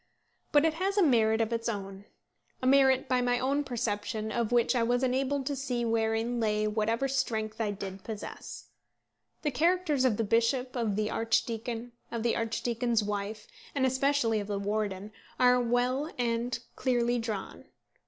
But it has a merit of its own, a merit by my own perception of which I was enabled to see wherein lay whatever strength I did possess. The characters of the bishop, of the archdeacon, of the archdeacon's wife, and especially of the warden, are all well and clearly drawn.